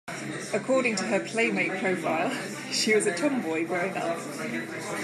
According to her Playmate Profile, she was a tomboy growing up.